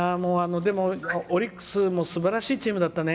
でも、オリックスもすばらしいチームだったね。